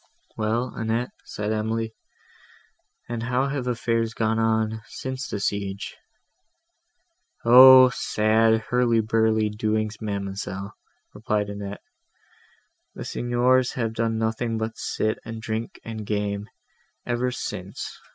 "Well, Annette," said Emily, "and how have affairs gone on, since the siege?" "O! sad hurly burly doings, ma'amselle," replied Annette; "the Signors have done nothing but sit and drink and game, ever since.